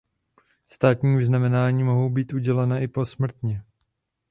Státní vyznamenání mohou být udělena i posmrtně.